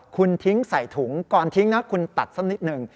คุณทิ้งใส่ถุงก่อนทิ้งนะคุณตัดสักนิดหนึ่ง